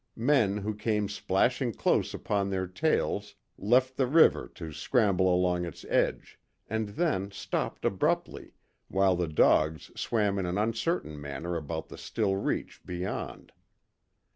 Men who came splashing close upon their tails left the river to scramble along its edge; and then stopped abruptly, while the dogs swam in an uncertain manner about the still reach beyond.